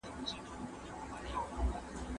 تخنیکي وسایل د کار کیفیت لوړوي.